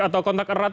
atau kontak erat